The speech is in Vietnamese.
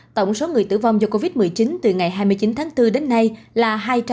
tổng số người tử vong do covid một mươi chín từ ngày hai mươi chín tháng bốn đến nay là ba